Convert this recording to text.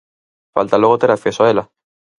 Falta logo ter acceso a ela.